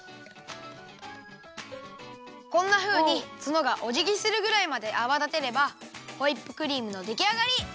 こんなふうにツノがおじぎするぐらいまであわだてればホイップクリームのできあがり！